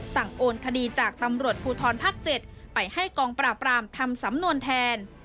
โอนคดีจากตำรวจภูทรภาค๗ไปให้กองปราบรามทำสำนวนแทน